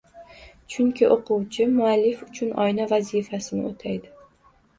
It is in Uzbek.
Chunki, o‘quvchi muallif uchun oyna vazifasini o‘taydi: